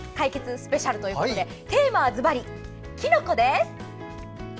スペシャルということでテーマはずばり、きのこです！